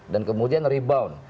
dan kemudian rebound